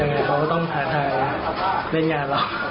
ในงานเรา